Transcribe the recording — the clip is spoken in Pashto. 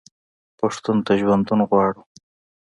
پښتون ته ژوندون غواړو.